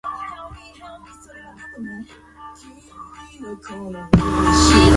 好了別哭，他不會回來的